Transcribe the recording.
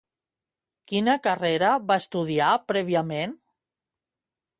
Quina carrera va estudiar prèviament?